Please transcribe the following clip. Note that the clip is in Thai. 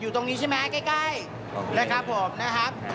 อยู่ตรงนี้ใช่ไหมใกล้นะครับผม